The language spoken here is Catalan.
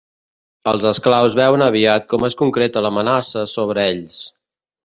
Els esclaus veuen aviat com es concreta l'amenaça sobre ells.